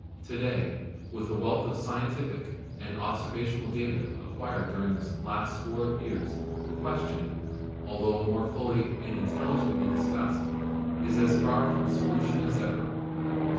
To day, with a wealth of scientific and observational data acquired during the last score of years, the question, altho more fully and intelligently discussed, is as far from solu tion as ever.